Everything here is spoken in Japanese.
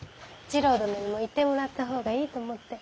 次郎殿にもいてもらった方がいいと思って。